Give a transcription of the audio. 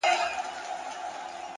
اخلاص د عمل ښکلا زیاتوي،